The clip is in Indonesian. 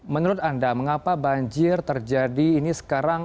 menurut anda mengapa banjir terjadi ini sekarang